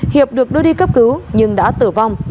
hiệp được đưa đi cấp cứu nhưng đã tử vong